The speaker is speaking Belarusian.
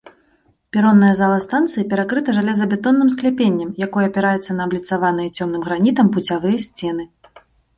Перонная зала станцыі перакрыта жалезабетонным скляпеннем, якое апіраецца на абліцаваныя цёмным гранітам пуцявыя сцены.